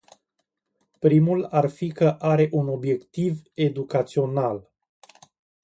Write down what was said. Primul ar fi că are un obiectiv educațional.